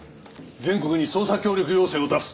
全国に捜査協力要請を出す。